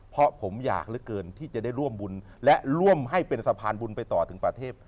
เพราะผมอยากเหลือเกินที่จะได้ร่วมบุญและร่วมให้เป็นสะพานบุญไปต่อถึงประเทศ